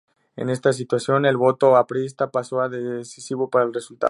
En esta situación, el voto aprista pasó a ser decisivo para el resultado.